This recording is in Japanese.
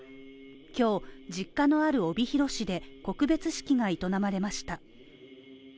今日、実家のある帯広市で告別式が営まれました。